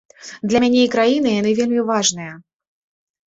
Для мяне і краіны яны вельмі важныя.